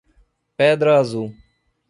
Pedra Azul